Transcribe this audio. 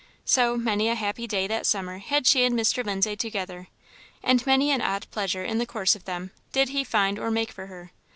So, many a happy day, that summer, had she and Mr. Lindsay together, and many an odd pleasure, in the course of them, did he find or make for her.